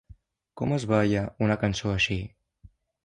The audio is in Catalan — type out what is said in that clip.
Com es balla, una cançó així?